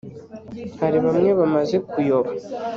hari bamwe bamaze kuyoba